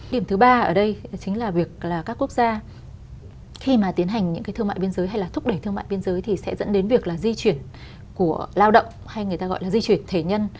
điểm thứ ba ở đây chính là việc là các quốc gia khi mà tiến hành những cái thương mại biên giới hay là thúc đẩy thương mại biên giới thì sẽ dẫn đến việc là di chuyển của lao động hay người ta gọi là di chuyển thể nhân